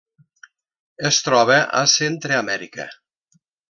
Es troba a Centreamèrica: